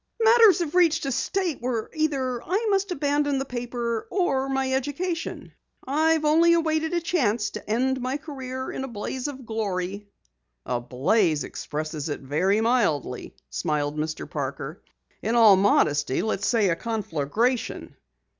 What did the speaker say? Matters have reached a state where either I must abandon the paper or my education. I've only awaited a chance to end my career in a blaze of glory." "A blaze expresses it very mildly," smiled Mr. Parker. "In all modesty, let us say a conflagration!"